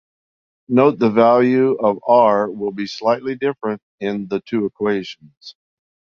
Note the value of r will be slightly different in the two equations.